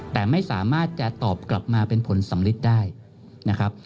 แต่ไม่สามารถจะตอบกลับมาเป็นผลสำลิดได้นะครับ